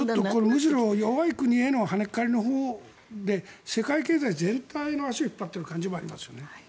むしろ弱い国への跳ね返りのほうで世界経済全体の足を引っ張っている感じもありますね。